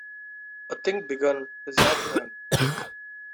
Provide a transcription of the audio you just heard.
A thing begun is half done.